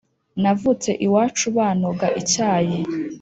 navutse iwacu banoga icyayi,